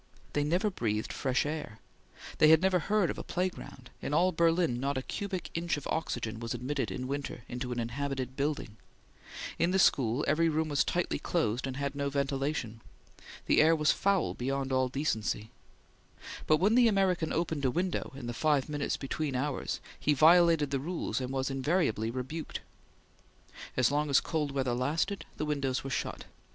They never breathed fresh air; they had never heard of a playground; in all Berlin not a cubic inch of oxygen was admitted in winter into an inhabited building; in the school every room was tightly closed and had no ventilation; the air was foul beyond all decency; but when the American opened a window in the five minutes between hours, he violated the rules and was invariably rebuked. As long as cold weather lasted, the windows were shut.